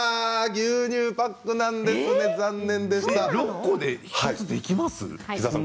牛乳パックなんですね残念でした。